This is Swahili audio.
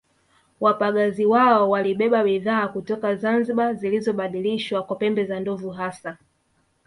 Wapagazi wao walibeba bidhaa kutoka Zanzibar zilizobadilishwa kwa pembe za ndovu hasa